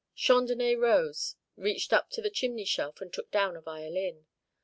Chandonnais rose, reached up to the chimney shelf, and took down a violin.